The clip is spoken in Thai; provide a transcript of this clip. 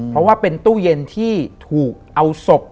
เพราะว่าเป็นตู้เย็นที่ถูกเอาศพ